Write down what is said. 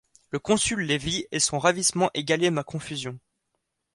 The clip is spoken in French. Le Consul les vit et son ravissement égalait ma confusion.